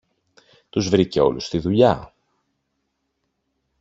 Τους βρήκε όλους στη δουλειά.